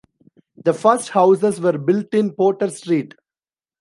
The first houses were built in Potter Street.